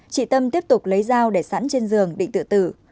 chị tâm tiếp tục lấy dao để sẵn trên giường định tự tử